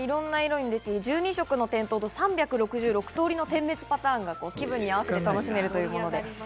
１２色の点灯と３６６通りの点滅パターンがあって、気分によって楽しめるということです。